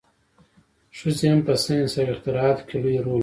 ښځې هم په ساینس او اختراعاتو کې لوی رول لري.